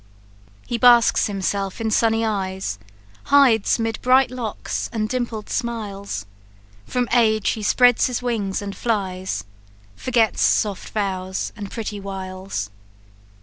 He basks himself in sunny eyes, Hides 'mid bright locks, and dimpled smiles; From age he spreads his wings and flies, Forgets soft vows, and pretty wiles.